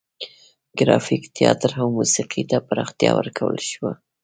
ګرافیک، تیاتر او موسیقي ته پراختیا ورکړل شوه.